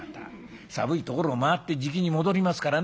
寒いところを回ってじきに戻りますからね。